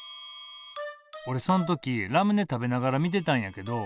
おれそん時ラムネ食べながら見てたんやけど。